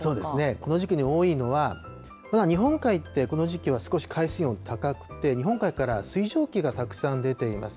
この時期に多いのはただ、日本海って、この時期は少し、海水温高くて、日本海から水蒸気がたくさん出ています。